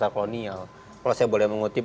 kolonial kalau saya boleh mengutip